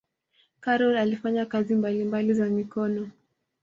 karol alifanya kazi mbalimbali za mikono